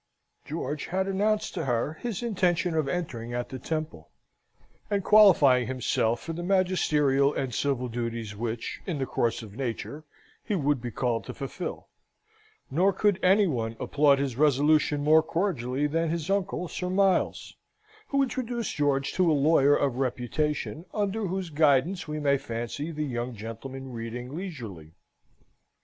George had announced to her his intention of entering at the Temple, and qualifying himself for the magisterial and civil duties which, in the course of nature, he would be called to fulfil; nor could any one applaud his resolution more cordially than his uncle Sir Miles, who introduced George to a lawyer of reputation, under whose guidance we may fancy the young gentleman reading leisurely.